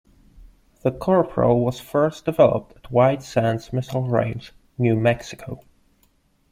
The Corporal was first developed at White Sands Missile Range, New Mexico.